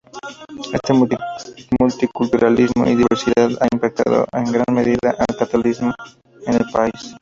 Este multiculturalismo y diversidad ha impactado en gran medida al catolicismo en el país.